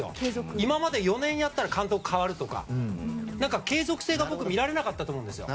今までは、４年やったら監督が代わるとかして継続性が見られなかったと思うんですよ。